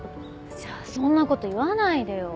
じゃあそんなこと言わないでよ。